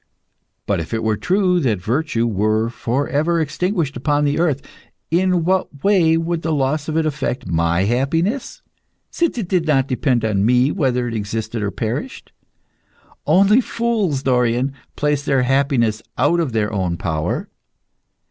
But if it were true that virtue were for ever extinguished upon the earth, in what way would the loss of it affect my happiness, since it did not depend on me whether it existed or perished? Only fools, Dorion, place their happiness out of their own power.